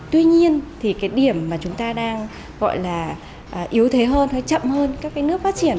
tuy nhiên điểm mà chúng ta đang gọi là yếu thế hơn chậm hơn các nước phát triển